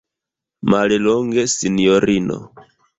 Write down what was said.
Mallonge, sinjorino.